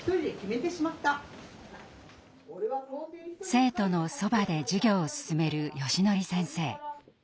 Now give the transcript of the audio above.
生徒のそばで授業を進めるよしのり先生。